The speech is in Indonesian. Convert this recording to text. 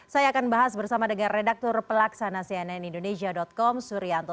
saya akan bahas bersama dengan redaktur pelaksana cnn indonesia com suryanto